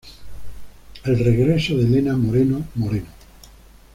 El regreso, de Elena Moreno Moreno.